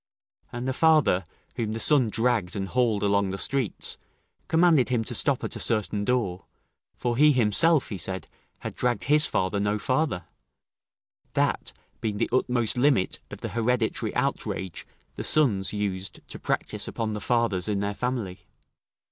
And the father, whom the son dragged and hauled along the streets, commanded him to stop at a certain door, for he himself, he said, had dragged his father no farther, that being the utmost limit of the hereditary outrage the sons used to practise upon the fathers in their family.